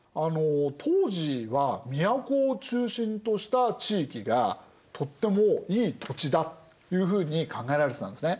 当時は都を中心とした地域がとってもいい土地だというふうに考えられてたんですね。